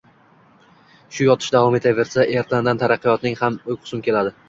Shu yotish davom etaversa, erta-indin taraqqiyotning ham uyqusm keladi…